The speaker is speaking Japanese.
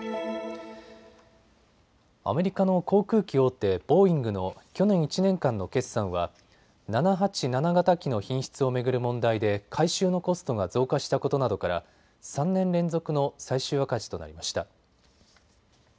アメリカの航空機大手、ボーイングの去年１年間の決算は７８７型機の品質を巡る問題で改修のコストが増加したことなどから３年連続の最終赤字となりました。